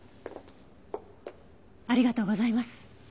ありがとうございます。